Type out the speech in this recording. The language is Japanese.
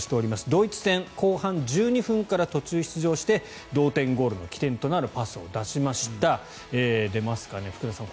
ドイツ戦、後半１２分から途中出場して同点ゴールの起点となるパスを出しました福田さん